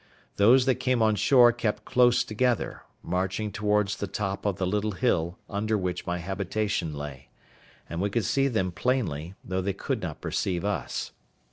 Those that came on shore kept close together, marching towards the top of the little hill under which my habitation lay; and we could see them plainly, though they could not perceive us.